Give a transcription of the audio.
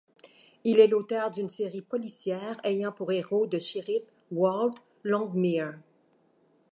Il est l’auteur d'une série policière ayant pour héros de shérif Walt Longmire.